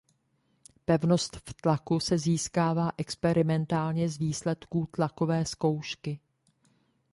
Pevnost v tlaku se získává experimentálně z výsledků tlakové zkoušky.